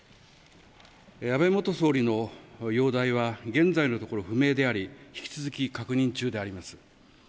安倍元総理の容体は現在のところ不明であり、引き続き確認中であります。